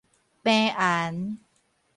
繃絚